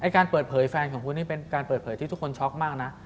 การเปิดเผยแฟนของคุณนี่เป็นการเปิดเผยที่ทุกคนช็อกมากนะ